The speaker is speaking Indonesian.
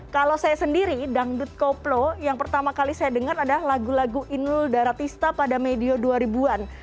kalau saya sendiri dangdut koplo yang pertama kali saya dengar adalah lagu lagu inul daratista pada medio dua ribu an